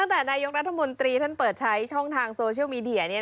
ตั้งแต่นายกรัฐมนตรีที่เปิดใช้ช่องทางโซเชียลมีเดีย